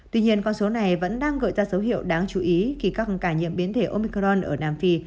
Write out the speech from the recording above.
tuy nhiên con số này vẫn đang gợi ra dấu hiệu đáng chú ý khi các ca nhiễm biến thể omicron ở nam phi